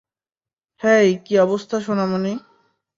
হেই, কী অবস্থা সোনামণি?